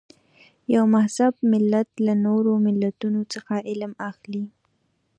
یو مهذب ملت له نورو ملتونو څخه علم اخلي.